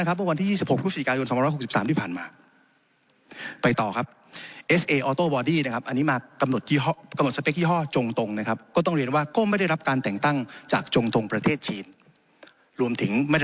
แล้วลักษณะธุรกิจของเขาเนี่ย